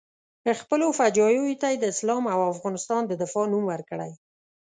خپلو فجایعو ته یې د اسلام او افغانستان د دفاع نوم ورکړی.